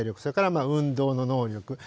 それから運動の能力。